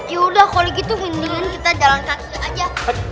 ya udah kalau begitu mendingan kita jalan kaki aja